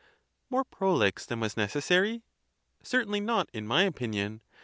More prolix than was necessary? Certain ly not, in my opinion.